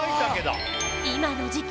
今の時季